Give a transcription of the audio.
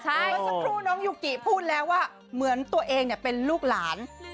เมื่อสักครู่น้องยูกิพูดแล้วว่าเหมือนตัวเองเป็นลูกหลาน